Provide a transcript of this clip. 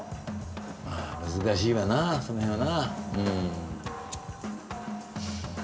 まあ難しいわなその辺はな。